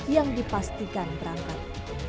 yang dipastikan berangkat